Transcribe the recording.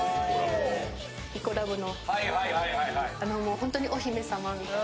イコラブの。